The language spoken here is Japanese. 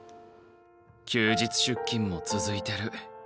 休日出勤も続いてる。